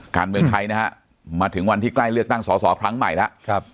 การเมืองไทยนะฮะมาถึงวันที่ใกล้เลือกตั้งสอสอครั้งใหม่แล้ว